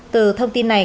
từ thông tin này